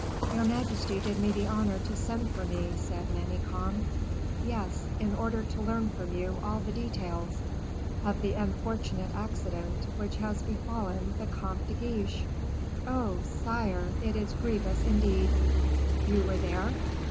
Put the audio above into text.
"Your majesty did me the honor to send for me," said Manicamp. "Yes, in order to learn from you all the details of the unfortunate accident which has befallen the Comte de Guiche." "Oh! sire, it is grievous indeed." "You were there?"